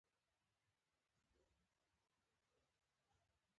او پۀ سترګو کښې مسکے شو